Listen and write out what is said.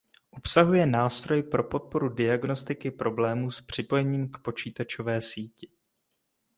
Obsahuje nástroj pro podporu diagnostiky problémů s připojením k počítačové síti.